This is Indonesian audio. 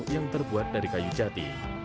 yang terbuat dari kayu jati